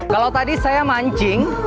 kalau tadi saya mancing